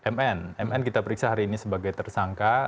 mn mn kita periksa hari ini sebagai tersangka